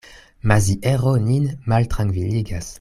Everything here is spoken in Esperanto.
Maziero nin maltrankviligas.